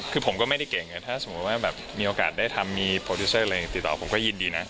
คือผมก็ไม่ได้เก่งไงถ้าสมมุติว่าแบบมีโอกาสได้ทำมีโปรดิวเซอร์อะไรติดต่อผมก็ยินดีนะ